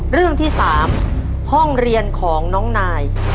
เรื่องที่๓ห้องเรียนของน้องนาย